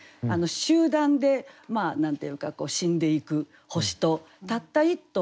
集団で何て言うか死んでいく星とたった一頭